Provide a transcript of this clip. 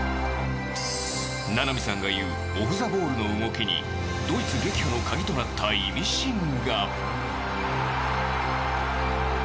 名波さんが言うオフ・ザ・ボールの動きにドイツ撃破の鍵となったイミシンが。